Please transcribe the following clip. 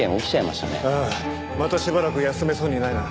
またしばらく休めそうにないな。